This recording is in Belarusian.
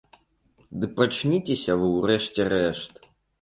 Ды прачніцеся вы ў рэшце рэшт!